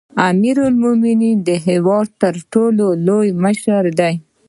امیرالمؤمنین د هیواد تر ټولو لوړ مشر دی